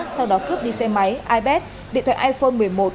sau đó cướp đi xe máy ipad điện thoại iphone một mươi một